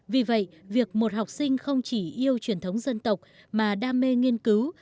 vì vậy việc một học sinh không chỉ yêu truyền thống dân tộc mà đam mê nghiên cứu